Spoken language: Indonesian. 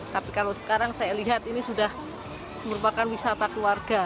tapi kalau sekarang saya lihat ini sudah merupakan wisata keluarga